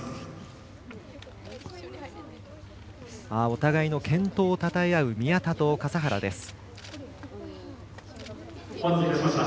お互いの健闘をたたえ合う宮田と笠原です。